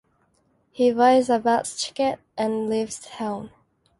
He buys a bus ticket and leaves town.